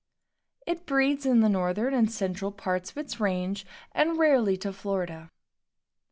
It breeds in the northern and central parts of its range, and rarely to Florida.